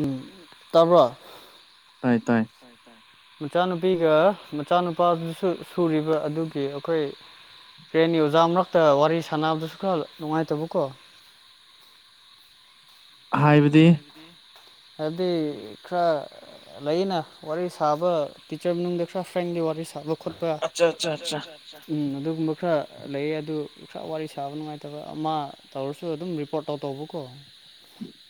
ꯎꯝ ꯇꯥꯕ꯭ꯔꯣ ꯃꯆꯥꯅꯨꯄꯤ ꯅꯨꯄꯤꯒ ꯃꯆꯥꯅꯨꯄꯥꯗꯨꯁꯨ ꯁꯨꯔꯤꯕ ꯑꯗꯨꯒꯤ ꯑꯩꯈꯣꯏ ꯇ꯭ꯔꯦꯟꯒꯤ ꯑꯣꯖꯥ ꯃꯔꯛꯇ ꯋꯥꯔꯤ ꯁꯥꯟꯅꯕꯗꯁꯨ ꯈꯔ ꯅꯨꯡꯉꯥꯏꯇꯕꯀꯣ ꯍꯥꯏꯕꯗꯤ ꯍꯥꯏꯕꯗꯤ ꯈꯔ ꯂꯩꯅ ꯋꯥꯔꯤ ꯁꯥꯕ ꯇꯤꯆꯔ ꯃꯅꯨꯡꯗ ꯈꯔ ꯐ꯭ꯔꯦꯡꯗꯤ ꯋꯥꯔꯤ ꯁꯥꯕ ꯈꯣꯠꯄ ꯎꯝ ꯑꯗꯨꯒꯨꯝꯕ ꯈꯔ ꯂꯩꯌꯦ ꯑꯗꯨ ꯈꯔ ꯋꯥꯔꯤ ꯁꯥꯕ ꯅꯨꯡꯉꯥꯏꯇꯕ ꯑꯃ ꯇꯧꯔꯁꯨ ꯑꯗꯨꯝ ꯔꯤꯄꯣꯔꯠ ꯇꯧ ꯇꯧꯕꯀꯣ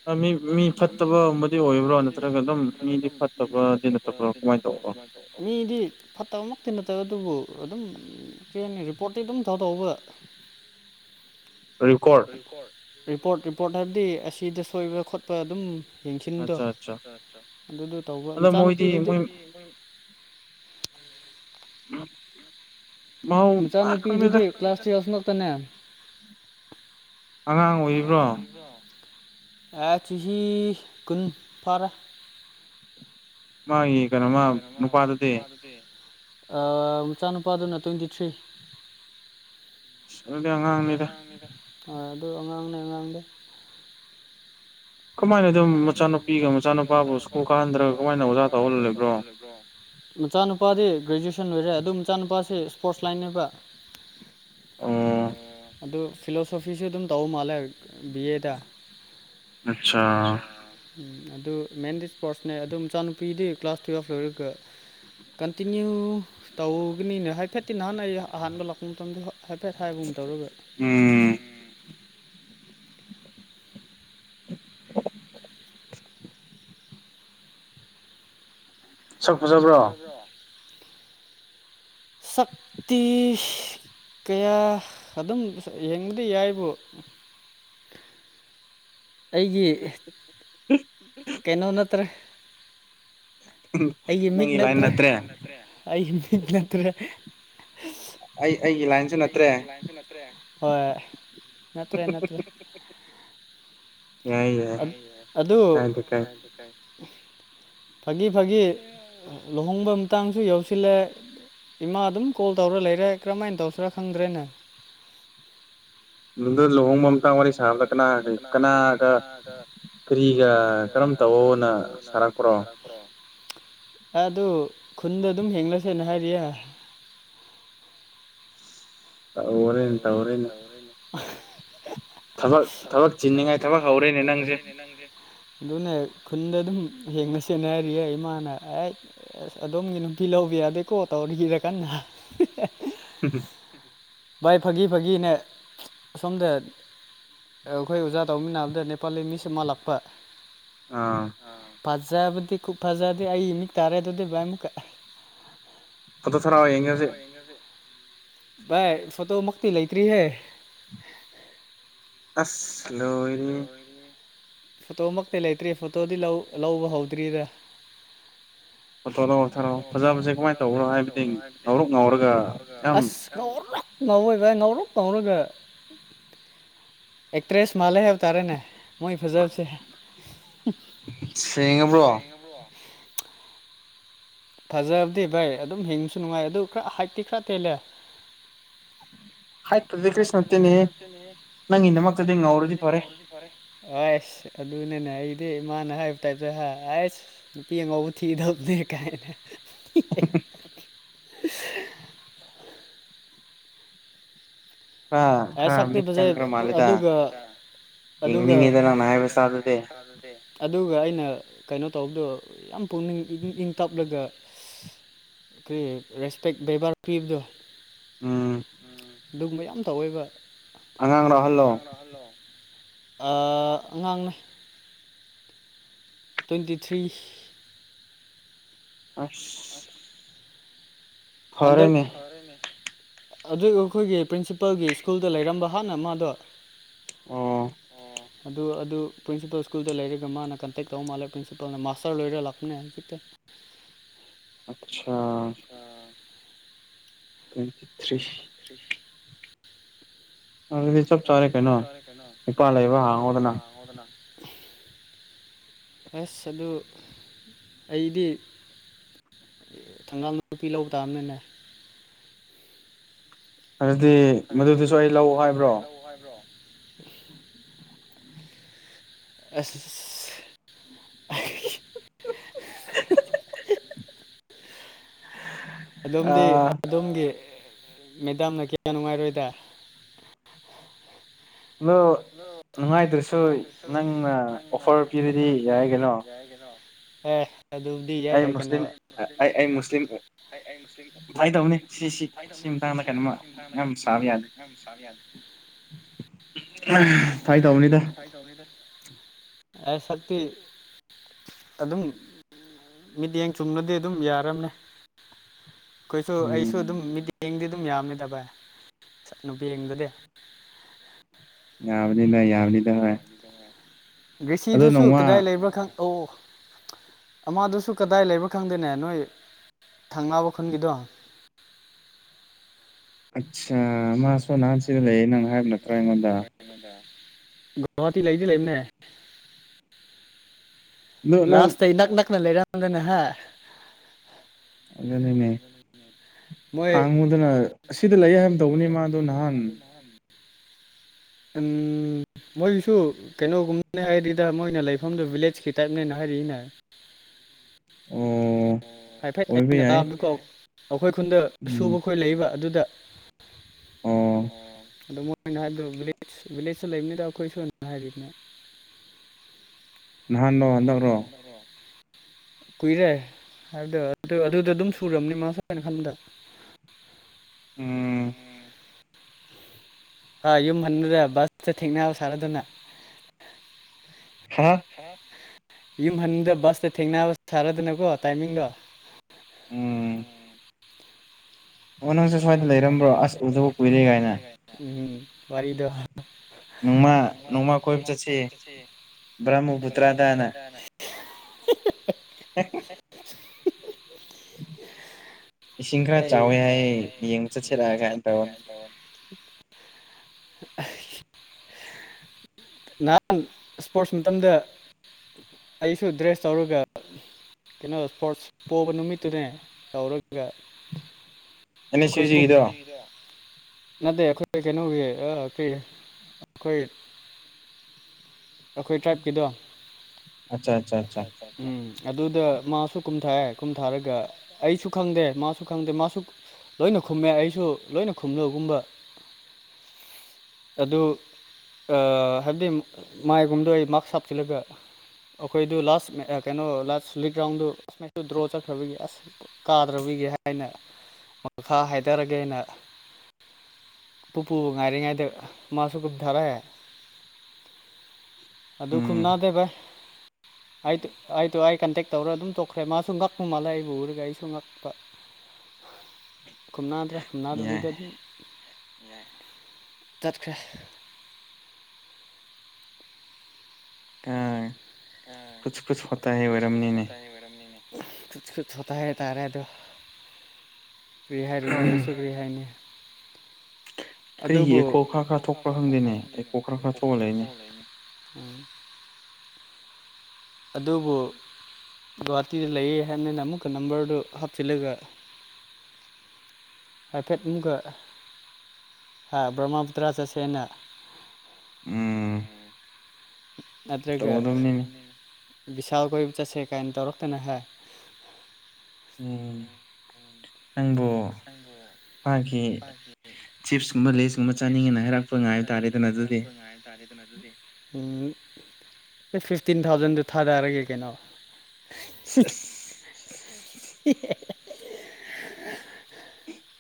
ꯑ ꯃꯤ ꯐꯠꯇ ꯐꯠꯇꯕꯒꯨꯝꯕꯨꯗꯤ ꯑꯣꯏꯕ꯭ꯔꯥꯅ ꯈꯔꯒ ꯑꯗꯨꯝ ꯃꯤꯗꯤ ꯐꯠꯇꯕ ꯅ ꯐꯠꯕ ꯑꯗꯨꯃꯥꯏꯅ ꯇꯧꯕ ꯃꯤꯗꯤ ꯐꯠꯇꯕ ꯅꯠꯇꯦ ꯅꯠꯇꯕ ꯑꯗꯨꯕꯨ ꯑꯗꯨꯝ ꯆꯦꯟꯅꯤ ꯔꯤꯄꯣꯔꯠꯇꯤ ꯑꯗꯨꯝ ꯊꯥꯎ ꯇꯣꯛꯧꯕ ꯔꯔꯤꯀꯣꯔ [unintelligible] ꯔꯤꯄꯣꯔꯠ ꯔꯤꯄꯣꯔꯠ ꯅꯠꯇꯤ ꯑꯁꯤꯗ ꯁꯣꯏꯕ ꯈꯣꯠꯄ ꯑꯗꯨꯝ ꯌꯦꯡꯁꯤꯟꯗꯣ ꯑꯗꯨꯗꯨ ꯇꯧꯕ ꯃꯆꯥꯅꯨꯄꯤꯗꯨꯗꯤ ꯎꯝ ꯃꯆꯥ ꯅꯨꯨꯄꯤꯗꯤ ꯀ꯭ꯂꯥꯁ ꯇꯨꯋꯦꯞ ꯅꯠꯇꯔꯅꯦ ꯑꯉꯥꯡ ꯑꯣꯏꯔꯤꯕꯣ ꯑꯦ ꯆꯥꯍꯤ ꯀꯨꯟ ꯐꯥꯔꯦ ꯃꯥꯒꯤ ꯀꯩꯅꯣꯃ ꯅꯨꯄꯥꯗꯨꯗꯤ ꯃꯆꯥꯅꯨꯄꯥꯗꯨꯅ ꯇ꯭ꯋꯦꯟꯇꯤꯊ꯭ꯔꯤ ꯑꯗꯨꯗꯤ ꯑꯉꯥꯡ ꯅꯤꯗꯥ ꯑꯉꯥꯡꯅꯦ ꯀꯃꯥꯏꯅ ꯑꯗꯨꯝ ꯃꯆꯥꯅꯨꯄꯤꯒ ꯃꯆꯥꯅꯨꯄꯥꯒ ꯁꯀꯨꯜ ꯀꯥꯍꯟꯗ꯭ꯔꯒ ꯀꯃꯥꯏꯅ ꯑꯣꯖꯥ ꯇꯧꯍꯜꯂ ꯂꯩꯕ꯭ꯔꯣ ꯃꯆꯥ ꯅꯨꯨꯄꯥꯗꯤ ꯒ꯭ꯔꯦꯖꯨꯋꯦꯁꯟ ꯑꯣꯏꯔꯦ ꯑꯗꯨ ꯃꯆꯥꯅꯨꯄꯥꯁꯤ ꯏꯁꯄꯣꯔꯠꯁ ꯂꯥꯏꯟ ꯑꯣꯏꯕ ꯑꯣ ꯑꯗꯨ ꯐꯤꯂꯣꯁꯣꯐꯤꯁꯨ ꯑꯗꯨꯝ ꯇꯧ ꯃꯥꯜꯂꯦ ꯕꯤ ꯑꯦꯗ ꯑꯆꯥ ꯎꯝ ꯑꯗꯨ ꯃꯦꯟꯗꯤ ꯏꯁꯄꯣꯔꯠꯁꯅꯦ ꯑꯗꯨ ꯃꯆꯥꯅꯨꯄꯤꯗꯤ ꯀ꯭ꯂꯥꯁ ꯇꯨꯌꯦꯜꯞ ꯂꯣꯏꯔꯒ ꯀꯟꯇꯤꯅ꯭ꯌꯨ ꯇꯧꯒꯅꯤꯅꯦ ꯍꯥꯏꯐꯦꯠꯇꯤ ꯅꯍꯥꯟ ꯑꯩ ꯑꯍꯥꯟꯕ ꯂꯥꯛꯄ ꯃꯇꯝꯗ ꯍꯥꯏꯐꯦꯠ ꯍꯥꯏꯒꯨꯝ ꯇꯧꯔꯒ ꯎꯝ [inaudible] ꯁꯠꯈꯤꯔꯣꯏꯗꯣ [inaudible] ꯁꯛꯇꯤ ꯀꯌꯥ ꯑꯗꯨꯝ ꯌꯦꯡꯕꯗꯤ ꯌꯥꯏꯕꯨ [inaudible] ꯑꯩꯒꯤ ꯀꯩꯅꯣ ꯅꯠꯇ꯭ꯔꯦ ꯑꯩꯒꯤ ꯃꯤꯡ ꯅꯠꯇ꯭ꯔꯦ ꯅꯪ ꯅꯠꯇ꯭ꯔꯦ ꯑꯩꯒꯤ ꯃꯤꯡ ꯅꯠꯇ꯭ꯔꯦ ꯑꯩ ꯑꯩꯒꯤ ꯂꯥꯏꯟꯁꯨ ꯅꯠꯇ꯭ꯔꯦ ꯍꯣꯏ ꯅꯠꯇ꯭ꯔꯦ ꯅꯠꯇ꯭ꯔꯦ ꯑꯗꯨ ꯐꯥꯒꯤ ꯐꯥꯒꯤ ꯂꯨꯍꯣꯡꯕ ꯃꯇꯥꯡꯁꯨ ꯌꯧꯁꯤꯜꯂꯦ ꯏꯃꯥ ꯑꯗꯨꯝ ꯀꯣꯜ ꯇꯧꯔ ꯂꯩꯔꯦ ꯀꯔꯝꯍꯥꯏꯅ ꯇꯧꯁꯤꯔꯥ ꯈꯪꯗ꯭ꯔꯦꯅꯦ ꯅꯨꯡꯗ ꯂꯨꯍꯣꯡꯕ ꯃꯇꯥꯡꯗ ꯋꯥꯔꯤ ꯁꯥꯕꯗ ꯀꯅꯥꯒ ꯀꯅꯥꯒ ꯀꯔꯤꯒ ꯀꯔꯝ ꯇꯧꯋꯣꯅ ꯁꯥꯔꯛꯄ꯭ꯔꯣ ꯑꯗꯨ ꯈꯨꯟꯗ ꯑꯗꯨꯝ ꯌꯦꯡꯂꯁꯦꯅ ꯍꯥꯏꯔꯤꯌꯦ ꯇꯧꯔꯦꯅꯦ ꯇꯧꯔꯦꯅ ꯇꯕꯣ ꯇꯕꯣ ꯆꯤꯡꯅꯤꯃꯥꯏ ꯊ ꯍꯥꯎꯔ ꯅꯅꯥꯥꯟꯒꯦ [unintelligible] ꯑꯗꯨꯅꯦ ꯈꯨꯟꯗ ꯑꯗꯨꯝ ꯍꯦꯡꯅ ꯁꯦꯟꯅꯔꯤꯌꯦ ꯏꯃꯥꯅ ꯑꯦ ꯑꯗꯣꯝꯒꯤ ꯅꯨꯡꯇꯤ ꯂꯧꯕꯤ ꯀꯌꯥꯗꯤ [unintelligible] ꯀꯣꯇꯥꯧꯔꯤ ꯌꯦꯗ ꯀꯅꯥ ꯎ [inaudible] ꯚꯥꯏ ꯐꯥꯒꯤ ꯐꯥꯒꯤꯅꯦ ꯑꯁꯣꯝꯗ ꯑꯩꯈꯣꯏ ꯑꯣꯖꯥ ꯇꯧꯃꯤꯟꯅꯕꯗ ꯅꯦꯄꯥꯂꯤ ꯃꯤꯁꯤ ꯃꯥꯜꯂꯛꯄ ꯑꯥ ꯐꯖꯕꯗꯤ ꯈꯨ ꯐꯖꯗꯤ ꯑꯩꯃꯤꯠ ꯇꯥꯔꯦ ꯑꯗꯨꯗꯤ ꯚꯏ ꯑꯃꯨꯛ ꯀ ꯐꯣꯇꯣ ꯊꯔꯥꯛꯑꯣ ꯌꯦꯡꯉꯦ ꯍꯧꯖꯤꯛ ꯚꯥꯏ ꯐꯣꯇꯣꯃꯛꯇꯤ ꯂꯩꯇ꯭ꯔꯤ ꯍꯦ ꯑꯁ ꯂꯣꯏꯔꯤ ꯐꯣꯇꯣꯃꯛꯇꯤ ꯂꯩꯇ꯭ꯔꯤ ꯐꯣꯇꯣꯗꯤ ꯂꯧꯕ ꯍꯧꯗ꯭ꯔꯤꯗ ꯑ ꯑꯇꯣꯞ ꯑꯇ [unintelligible] ꯈꯔꯣ ꯐꯖꯕꯁꯦ ꯀꯃꯥꯏꯅ ꯇꯧꯕꯅꯣ ꯍꯥꯏꯕꯗꯤ ꯉꯧꯔꯛ ꯉꯧꯔꯒ ꯑꯁ ꯑꯑꯣꯏꯕ ꯉꯧꯔꯣꯛ ꯉꯧꯔꯒ ꯑꯦꯛꯇ꯭ꯔꯦꯁ ꯃꯥꯜꯂꯦ ꯍꯥꯏꯕ ꯇꯥꯔꯦꯅꯦ ꯃꯣꯏ ꯐꯖꯕꯁꯦ ꯁꯤꯉ ꯄꯨ꯭ꯔꯣꯣ ꯐꯖꯕꯗꯤ ꯚꯩ ꯑꯗꯨꯝ ꯍꯤꯡꯕꯁꯨ ꯅꯨꯡꯉꯥꯏ ꯑꯗꯨ ꯈꯔ ꯍꯥꯏꯠꯇꯤ ꯈꯔ ꯇꯦꯜꯂꯦ ꯍꯥꯏ ꯐꯗꯤ ꯀꯩꯁꯨ ꯅꯠꯇꯣꯏꯅꯦ ꯅꯪꯒꯤꯗꯃꯛꯇꯗꯤ ꯉꯧꯔꯗꯤ ꯐꯔꯦ ꯑꯁ ꯑꯗꯨꯅꯅꯦ ꯑꯩꯗꯤ ꯏꯃꯥꯅ ꯍꯥꯏꯔꯤꯕ ꯇꯥꯏꯞꯇ ꯍꯥꯏ ꯑꯩꯁ ꯅꯨꯄꯤ ꯑꯉꯥꯎꯧꯕ ꯊꯤꯒꯗꯕꯅꯤ ꯀꯥꯏꯅ ꯈꯥ ꯈꯥ ꯃꯤ ꯆꯪꯒ꯭ꯔ ꯃꯥ ꯂꯩꯗ ꯍꯅꯤꯗ ꯅ ꯅ ꯍꯥꯏꯥꯏꯕꯁꯗꯗꯤꯦ ꯑꯗꯨꯒ ꯑꯩꯅ ꯀꯩꯅꯣ ꯇꯧꯕꯗꯣ ꯌꯥꯝ ꯄꯨꯛꯅꯤꯡ ꯏꯪ ꯏꯪ ꯇꯞꯂꯒ ꯔꯦꯁꯄꯦꯛ ꯕꯦꯕꯥꯔ ꯄꯤꯕꯗꯣ ꯑꯗꯨꯒꯨꯝꯕ ꯌꯥꯝ ꯇꯧꯋꯦꯕ ꯑꯉꯥꯡꯥꯡ꯭ꯔꯣ ꯍꯜꯂꯣ ꯑꯉꯥꯡꯅꯦ ꯇ꯭ꯋꯦꯟꯇꯤ ꯊ꯭ꯔꯤ ꯑꯥꯁ ꯑꯥꯗ ꯐꯔꯦꯅꯦ ꯑꯗꯨ ꯑꯩꯈꯣꯏꯒꯤ ꯄ꯭ꯔꯤꯟꯁꯤꯄꯥꯜꯒꯤ ꯁ꯭ꯀꯨꯜꯗ ꯂꯩꯔꯝꯕ ꯍꯥꯟꯅ ꯃꯥꯗꯣ ꯑꯗꯨ ꯑꯗꯨ ꯄ꯭ꯔꯤꯟꯁꯤꯄꯥꯜ ꯁ꯭ꯀꯨꯜ ꯂꯩꯔꯒ ꯃꯥꯅ ꯀꯟꯇꯦꯛ ꯇꯧꯕ ꯃꯥꯜꯂꯦ ꯄ꯭ꯔꯤꯟꯁꯤꯄꯥꯜꯅ ꯃꯥꯁꯇꯔ ꯂꯣꯏꯔ ꯂꯥꯛꯄꯅꯦ ꯍꯥꯏ ꯍꯧꯖꯤ [unintelligible] [unintelligible] ꯑꯥ ꯇ꯭ꯋꯦꯟꯇꯤ ꯊ꯭ꯔꯤ ꯑꯗꯨꯗꯤ ꯆꯞ ꯆꯥꯔꯦ ꯀꯩꯅꯣ ꯅꯨꯄꯥ ꯂꯩꯕ ꯍꯥꯡꯉꯣꯗꯅ ꯑꯁ ꯑꯗꯨ ꯑꯩꯗꯤ ꯊꯪꯒꯥꯜ ꯅꯨꯄꯤ ꯂ ꯇꯥꯕꯅꯤꯅꯦ ꯑꯗꯨꯗꯤ ꯃꯗꯨꯗꯨꯁꯨ ꯑꯩ ꯂꯧ ꯍꯥꯏꯕ꯭ꯔꯣ [unintelligible] ꯑꯥꯁ [unintelligible] [unintelligible] ꯑꯗꯣꯝꯗꯤ ꯑꯗꯣꯝꯒꯤ ꯃꯦꯗꯥꯝꯅ ꯀꯌꯥ ꯅꯨꯡꯉꯥꯏꯔꯣꯏꯗ ꯑꯗꯣ ꯅꯨꯡꯉꯥꯏꯗ꯭ꯔꯁꯨ ꯅꯪꯅ ꯑꯣꯐꯔ ꯄꯤꯔꯗꯤ ꯌꯥꯏ ꯀꯩꯅꯣ ꯑ‌ꯦ ꯑꯗꯨ ꯎꯕꯨꯗꯤ ꯌꯥꯏ ꯌꯥꯏ ꯀꯩꯅꯣ ꯑꯩ ꯑꯩ ꯃꯨꯁꯂꯤꯝ ꯍꯥꯏꯗꯧꯅꯤ ꯁꯤꯁꯤ ꯁꯤ ꯃꯇꯥꯡꯗ ꯀꯩꯅꯣꯝꯃ ꯌꯥꯝ ꯁꯥꯕ ꯌꯥꯗꯦ ꯐꯥꯏ ꯇꯧꯅꯤꯗ ꯑꯥ ꯁꯇꯤ ꯑꯗꯨꯝ ꯃꯤꯠꯌꯦꯡ ꯆꯨꯝꯅꯗꯤ ꯑꯗꯨꯝ ꯌꯥꯔꯝꯃꯦ ꯑꯩꯈꯣꯏꯁꯨ ꯑꯩꯁꯨ ꯑꯗꯨꯝ ꯃꯤꯇꯤꯡꯒꯤ ꯑꯗꯨꯝ ꯌꯥꯝꯅꯤꯗꯚꯥꯏ ꯆꯠ ꯅꯨꯄꯤ ꯌꯦꯗꯨꯗꯤ ꯌꯥꯕꯅꯤ ꯗꯤ ꯌꯥꯕꯅꯤꯗꯥ ꯍꯣꯏ ꯒꯔꯤꯁꯤꯗꯨꯁꯨ ꯀꯗꯥꯏ ꯂꯩꯕ꯭ꯔꯥ ꯈꯪ ꯑꯣ ꯑꯃꯗꯨꯁꯨ ꯀꯗꯥꯏ ꯂꯩꯕ ꯈꯪꯗꯦꯅꯦ ꯅꯣꯏ ꯊꯪꯅꯥꯕ ꯈꯨꯟꯒꯤꯗꯣ [unintelligible] ꯑꯠꯆꯥ ꯃꯥꯁꯣ ꯅꯍꯥꯟ ꯁꯤꯗ ꯂꯩꯌꯦ ꯅꯪꯅ ꯍꯥꯏꯕ ꯅꯠꯇ꯭ꯔꯥ ꯑꯩꯉꯣꯟꯗ ꯒꯍꯇꯤ ꯂꯩꯗꯤ ꯂꯩꯅꯦ ꯂꯥꯁꯇ ꯅꯛ ꯅꯛꯅ ꯂꯩꯔꯗꯅ ꯍꯥꯏ ꯑꯗꯨꯗꯅꯤꯅꯦ ꯍꯥꯡꯉꯨꯗꯅ ꯑꯁꯤꯗ ꯂꯩ ꯍꯥꯏꯕ ꯑꯃ ꯇꯧꯕꯅꯤ ꯃꯥꯗꯣ ꯅꯍꯥꯟ ꯎꯝ ꯃꯣꯏꯒꯤꯁꯨ ꯀꯩꯅꯣꯒꯨꯝꯕꯅꯦ ꯍꯥꯏꯔꯤꯗ ꯃꯣꯏꯅ ꯂꯩꯐꯝꯗꯨ ꯚꯤꯂꯦꯖꯀꯤ ꯇꯥꯏꯞꯅꯦꯅ ꯍꯥꯏꯔꯤꯛꯏꯅꯦ [unintelligible] ꯐꯥꯏ ꯐꯥꯏ ꯊꯅ ꯇꯀ ꯑꯩꯈꯣꯏ ꯈꯨꯟꯗ ꯁꯨꯕ ꯑꯩꯈꯣꯏ ꯂꯩꯕ ꯑꯗꯨꯗ ꯚꯤꯂ ꯚꯤꯂꯦꯖꯇ ꯂꯩꯕꯃꯤꯅꯤꯗ ꯑꯩꯈꯣꯏ ꯁ ꯍꯥꯏꯔꯤꯅꯦ ꯅꯍꯥꯟꯂꯣ ꯍꯥꯟꯗꯣꯛꯔꯣ ꯀꯨꯏꯔꯦ ꯍꯥꯏꯕꯗ ꯑꯗꯨꯗ ꯑꯗꯨꯝ ꯁꯨꯔꯕꯅꯤ ꯃꯥ ꯁꯥꯏꯅ ꯈꯟꯕꯗ ꯎꯝ ꯍ ꯌꯨꯝ ꯍꯜꯂꯨꯔꯦ ꯕꯁꯇ ꯊꯦꯡꯅꯕ ꯁꯥꯥꯟꯔꯗꯅ ꯌꯨꯝ ꯍꯟꯗ ꯕꯁꯇ ꯊꯦꯡꯅꯕ ꯁꯥꯔꯗꯅꯀꯣ ꯇꯥꯏꯃꯤꯡꯗꯣ ꯎꯝ ꯑꯣꯔ ꯂꯩꯔꯔꯝ ꯋꯥꯔꯤ ꯋꯥꯔꯤꯗ ꯅꯣꯡꯃꯥ ꯅꯣꯡꯃꯥ ꯀꯣꯏꯕ ꯆꯠꯁꯤ ꯕ꯭ꯔꯃꯕꯨꯨꯇ꯭ꯔꯥꯗꯅ [unintelligible] ꯍ ꯏꯁꯤꯡ ꯈꯔ ꯆꯥꯎꯋꯦ ꯍꯥꯏ ꯌꯦꯡ ꯆꯠꯁꯤꯂꯛꯑꯒꯥꯏꯅ ꯇꯧꯕꯅ [unintelligible] ꯅꯍꯥꯟ ꯏꯁꯄꯣꯔꯠꯁ ꯃꯇꯝꯗ ꯑꯩꯁꯨ ꯗ꯭ꯔꯦꯁ ꯇꯧꯔꯒ ꯀꯩꯅꯣ ꯏꯁꯄꯣꯔꯠꯁ ꯄꯣꯕ ꯅꯨꯃꯤꯠꯇꯨꯅꯦ ꯇꯧꯔꯒꯒ ꯑ ꯁꯤꯨꯁꯤꯗ ꯅꯗ ꯑꯩꯈꯣꯏ ꯀꯩꯅꯣ ꯑ ꯑꯩꯈꯣꯏ ꯑꯩꯈꯣꯏ ꯇ꯭ꯔꯥꯏꯞꯀꯤꯗꯣ ꯎꯝ ꯑꯗꯨꯗ ꯃꯥꯁꯨ ꯀꯨꯝꯊꯥꯛꯑꯦ ꯀꯨꯝꯊꯥꯔꯒ ꯑꯩꯁꯨ ꯈꯪꯗꯦ ꯃꯥꯁꯨ ꯈꯪꯗꯦ ꯃꯥꯁꯨ ꯂꯣꯏꯅ ꯈꯨꯝꯃꯦ ꯑꯩꯁꯨ ꯂꯣꯏꯅ ꯈꯨꯝꯂꯨꯒꯨꯝꯕ ꯑ ꯑꯗꯨ ꯍꯥꯏꯕꯗꯤ ꯃꯥꯏꯒꯨꯝꯗ ꯑꯩ ꯃꯥꯛꯁ ꯍꯥꯞꯆꯤꯜꯂꯒ ꯑꯩꯈꯣꯏꯗꯨ ꯂꯥꯁ ꯀꯩꯅꯣ ꯂꯥꯁ ꯂꯤꯛ ꯔꯥꯎꯟꯗꯨ ꯑꯁ ꯗ꯭ꯔꯣ ꯆꯠꯈ꯭ꯔꯕꯒꯤ ꯑꯁ ꯀꯥꯗ꯭ꯔ ꯒꯦ ꯍꯥꯏꯅ ꯃꯈꯥ ꯍꯥꯏꯊꯔꯒꯦꯅ ꯄꯨꯣꯄꯨ ꯉꯥꯏꯔꯤ ꯉꯥꯏꯗ ꯃꯥꯁꯨꯀ ꯊꯔꯥꯏ ꯑꯗꯨ ꯈꯨꯝꯅꯥꯗꯦꯚꯥꯏ [unintelligible] ꯑꯩꯗꯣ ꯑꯩꯗꯣ ꯑꯩ ꯀꯟꯇꯦꯛ ꯇꯧꯔ ꯑꯗꯨꯝ ꯇꯣꯛꯈ꯭ꯔꯦ ꯃꯥꯁꯨ ꯉꯛꯄꯨ ꯃꯥꯜꯂꯦ ꯑꯩꯕꯨ ꯎꯔꯒ ꯑꯩꯁꯨ ꯉꯛꯄ [unintelligible] ꯈꯨꯅꯥꯗ꯭ꯔꯦ ꯅꯅꯥꯗꯨꯗ ꯇꯥꯠꯈꯔ ꯀꯥ ꯑ ꯀ ꯀ ꯄꯇꯥꯏ ꯃꯔꯔꯝꯅꯤ ꯀꯨꯠꯀꯨꯠ ꯊꯇ ꯍꯦ ꯇꯥꯔꯦ ꯑꯗꯨꯣ ꯔꯤꯍꯥꯏ ꯔꯨꯅꯤ ꯍꯥꯏꯁꯨ ꯔꯤꯍꯥꯏꯅꯤ ꯑꯗꯨꯕꯨꯣ ꯈ ꯍꯪꯒꯦꯅꯦꯣ ꯈ ꯂꯩ ꯎꯝ ꯑꯗꯨꯕꯨ ꯒꯨꯍꯥꯇꯤꯗ ꯂꯩꯌꯦ ꯍꯥꯏꯕꯅꯤꯅ ꯑꯃꯨꯛꯀ ꯅꯝꯕꯔꯗꯨ ꯍꯥꯞꯆꯤꯜꯂꯒ ꯍꯥꯏꯐꯦꯠ ꯃꯨꯒ ꯍꯥꯏ ꯭ꯔꯍꯃꯄꯨꯇ꯭ꯔ ꯁ ꯁꯅ ꯎꯝ ꯑꯠꯇ ꯀ ꯁꯥ ꯀ ꯆꯁꯦ ꯀꯥꯏꯅ ꯇꯧꯔꯛꯇꯅ ꯍꯥꯏ ꯅꯪꯕꯨꯣ ꯃꯥꯒꯤ ꯆꯤꯞꯁꯀꯨꯝꯕ ꯂꯤꯁꯀꯨꯝꯕ ꯆꯥꯅꯤꯡꯉꯅ ꯍꯥꯏꯔꯛꯄ ꯉꯥꯏꯕ ꯇꯥꯔꯦꯗꯅ ꯑꯗꯨꯗꯤ [inaudible] ꯍ ꯐꯤꯐꯇꯤꯟ ꯊꯥꯎꯖꯟꯗ ꯊꯥꯗꯔꯒꯦ ꯀꯩꯅꯣ [inaudible] [unintelligible]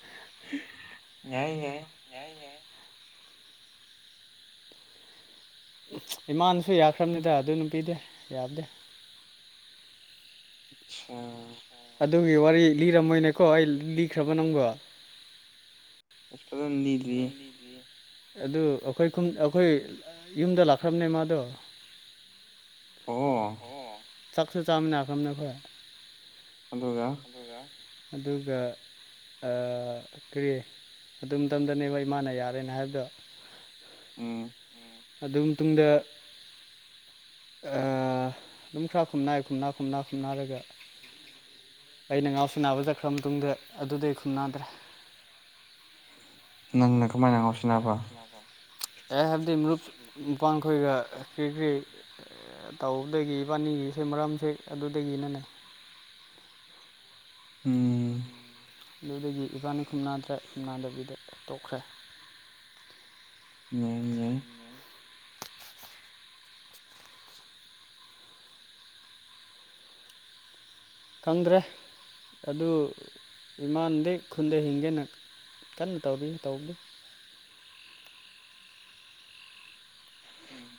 ꯌꯥꯏ ꯌꯥꯏ꯫ ꯍꯏ ꯌꯥꯏ ꯏꯃꯥꯅꯁꯨ ꯌꯥꯈ꯭ꯔꯕꯅꯤꯗ ꯑꯗꯨ ꯅꯨꯄꯤꯤꯗꯦ ꯌꯥꯕꯗꯦ ꯑꯗꯨꯒꯤ ꯋꯥꯔꯤ ꯂꯤꯔꯝꯃꯣꯏꯅꯦꯀꯣ ꯑꯩ ꯂꯤꯈ꯭ꯔꯕ ꯅꯪꯒꯣ ꯑꯗꯨꯝ ꯃꯤꯒꯤ ꯑꯗꯨ ꯑꯩꯈꯣꯏ ꯑꯩꯈꯣꯏ ꯌꯨꯝꯗ ꯂꯥꯛꯈ꯭ꯔꯕꯅꯦ ꯃꯥꯗꯣ ꯆꯥꯛꯁꯨ ꯆꯥꯎꯃꯤꯅ ꯍꯥꯈꯐꯝꯅ ꯈꯌꯥ ꯑꯗꯨꯗꯒ ꯑꯗꯨꯒ ꯀꯔꯤ ꯑꯗꯨꯝ ꯃꯇꯝꯗꯅꯦꯕ ꯏꯃꯥꯅ ꯌꯥꯔꯦꯅ ꯍꯥꯏꯕꯗ ꯎꯝ ꯑꯗꯨ ꯃꯇꯨꯡꯗ ꯑꯗꯨꯝ ꯈꯔ ꯈꯨꯝꯅꯥꯏ ꯈꯨꯝꯅꯥ ꯈꯨꯝꯅ ꯈꯨꯝꯅꯔꯒ ꯑꯩꯅ ꯉꯥꯎꯁꯤꯟꯅꯕ ꯆꯠꯈ꯭ꯔ ꯃꯇꯨꯡꯗ ꯑꯗꯨꯗꯑꯩ ꯈꯪꯅꯥꯗꯔ꯭ꯦ ꯅꯪꯅ ꯀ ꯃꯥꯏꯅꯥꯁꯤꯅꯕ ꯑꯩ ꯍꯥꯏꯕꯗꯤ ꯃꯔꯨꯞ ꯃꯄꯥꯡꯈꯣꯏꯒ ꯀꯔꯤ ꯇꯧꯕꯗꯒꯤ ꯏꯕꯥꯅꯤꯒꯤꯁꯦ ꯃꯔꯝꯁꯦ ꯑꯗꯨꯗꯒꯤꯅꯅꯦ [unintelligible] ꯎꯝ ꯑꯗꯨꯗꯒꯤ ꯏꯕꯥꯅꯤ ꯈꯨꯝꯅꯥꯗ꯭ꯔ ꯈꯨꯝꯅꯥꯟꯗꯕꯤꯗ ꯇꯣꯛꯈ꯭ꯔꯦ ꯉꯏ ꯌꯥꯏ ꯈꯪꯗ꯭ꯔꯦ ꯑꯗꯨ ꯏꯃꯥꯟꯗꯤ ꯈꯨꯟꯗ ꯍꯤꯡꯒꯦꯅ ꯀꯟꯅ ꯇꯧꯔꯤꯨ ꯇꯧꯕꯒꯤ [inaudible] ꯎꯝ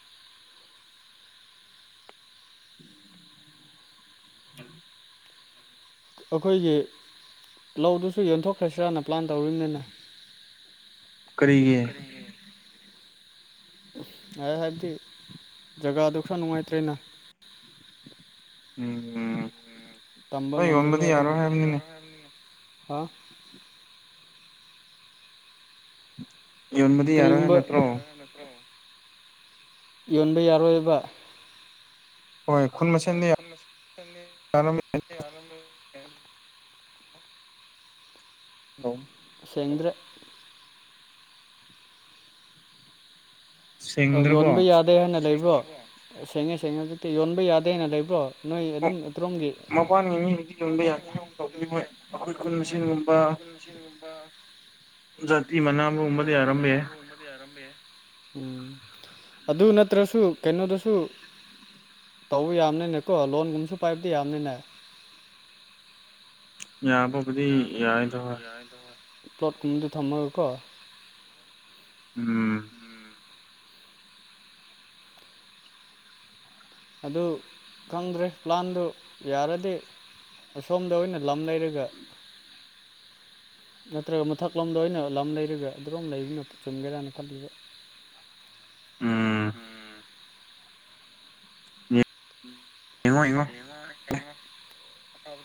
ꯑꯩꯈꯣꯏꯒꯤ ꯂꯧꯗꯨꯁꯨ ꯌꯣꯟꯊꯣꯛꯈ꯭ꯔꯁꯤꯔꯥꯅ ꯄ꯭ꯂꯥꯟ ꯇꯧꯔꯤꯕꯅꯤꯅ ꯀꯦꯡꯒꯦ ꯌꯥ ꯍꯥꯏꯕꯗꯤ ꯖꯒꯥꯗꯨ ꯈꯔ ꯅꯨꯡꯉꯥꯏꯇ꯭ꯔꯦꯅ ꯇꯝꯕ ꯉꯝꯗꯕ ꯍ ꯌꯣꯟꯕꯗꯤ ꯌꯥꯔꯣꯏ ꯍꯥꯏ ꯅꯠꯇ꯭ꯔꯣ ꯌꯣꯟꯕ ꯌꯥꯔꯣꯏꯕ ꯑꯣꯈ ꯃꯅꯤ ꯍ ꯑ ꯁꯦꯡꯗ꯭ꯔ ꯑ ꯌꯣꯟꯕ ꯌꯥꯗꯦ ꯍꯥꯏꯅ ꯂꯩꯕ꯭ꯔꯣ ꯁꯦꯡꯉꯦ ꯁꯦꯡꯉꯦ ꯍꯧꯖꯤꯛꯇꯤ ꯌꯣꯟꯕ ꯌꯥꯗꯦ ꯍꯥꯏꯅ ꯂꯩꯕ꯭ꯔꯣ ꯅꯣꯏ ꯑꯗꯨꯝ ꯑꯇ꯭ꯔꯣꯝꯒꯤ ꯄꯨꯝꯁꯤꯟꯒꯨꯝꯕ ꯖꯥꯇꯤ ꯃꯅꯥꯒꯨꯝꯕꯗꯤ ꯌꯥꯔꯝꯕ ꯌꯥꯏ ꯎꯝ ꯑꯗꯨ ꯅꯠꯇ꯭ꯔꯁꯨ ꯀꯩꯅꯣꯗꯁꯨ ꯇꯧꯕ ꯌꯥꯝꯅꯤꯅꯦꯀꯣ ꯂꯣꯟꯒꯨꯝꯕꯁꯨ ꯄꯥꯏꯕꯗꯤ ꯌꯥꯝꯅꯤꯅꯦ ꯌꯥ ꯄꯣꯕꯗꯤ ꯌꯥꯏꯗ ꯍ ꯄ꯭ꯂꯣꯠꯀꯨꯝꯕꯗꯨ ꯊꯝꯃꯒꯀꯣ ꯎꯝ ꯎ ꯑꯗꯨ ꯈꯪꯗ꯭ꯔꯦ ꯄ꯭ꯂꯥꯟꯗꯨ ꯌꯥꯔꯗꯤ ꯑꯁꯣꯝꯗ ꯑꯣꯏꯅ ꯂꯝ ꯂꯩꯔꯒ [unintelligible] ꯅꯠꯇ꯭ꯔꯒ ꯃꯊꯛꯂꯣꯝꯗ ꯑꯩꯅ ꯂꯝ ꯂꯩꯔꯒ ꯑꯗꯨꯔꯣꯝ ꯂꯩꯕꯅ ꯆꯨꯝꯒꯦꯔꯅ ꯈꯜꯂꯤꯕ ꯎꯝ ꯎꯝ ꯍꯉ ꯊꯦꯉꯣ